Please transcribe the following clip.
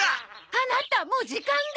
アナタもう時間が！